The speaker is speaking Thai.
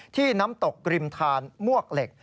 น้ำตกริมทานมวกเหล็ก